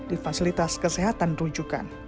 di fasilitas kesehatan diruncukan